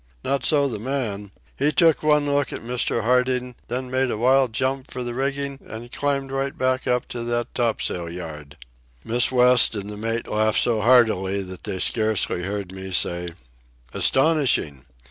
Not so the man. He took one look at Mr. Harding, then made a wild jump for the rigging and climbed right back up to that topsail yard." Miss West and the mate laughed so heartily that they scarcely heard me say: "Astonishing!